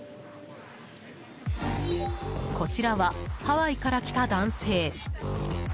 こちらはハワイから来た男性。